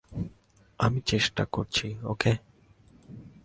আমি চেষ্টা করছি, ওকে?